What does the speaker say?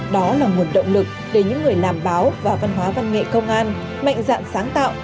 đó là nguồn động lực để những người làm báo và văn hóa văn nghệ công an mạnh dạng sáng tạo